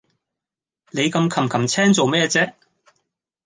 你咁擒擒青做咩啫